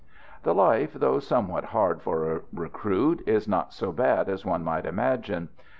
The life, though somewhat hard for a recruit, is not so bad as one might imagine.